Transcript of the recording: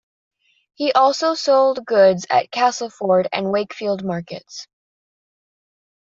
He also sold goods at Castleford and Wakefield markets.